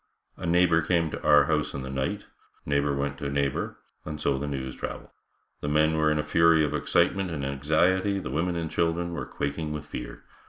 A neighbor came to our house in the night, neighbor went to neighbor and so the news traveled. The men were in a fury of excitement and anxiety, the women and children were quaking with fear.